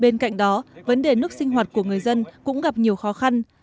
bên cạnh đó vấn đề nước sinh hoạt của người dân cũng gặp nhiều khó khăn